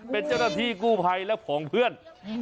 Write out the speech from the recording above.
เป็นเจ้าหน้าที่กู้ภัยและของเพื่อน